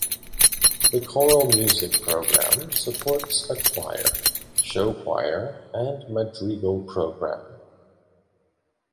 The choral music program supports a choir, show choir, and madrigal program.